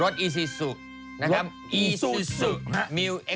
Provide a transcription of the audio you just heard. ใหม่